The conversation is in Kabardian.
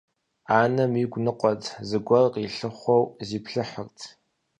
Анэм игу ныкъуэт, зыгуэр къилъыхъуэу зиплъыхьырт.